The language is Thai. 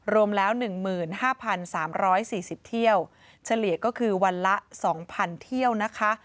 รวมแล้ว๑๕๓๔๐เที่ยวเฉลี่ยก็คือวันละ๒๐๐เที่ยวนะคะ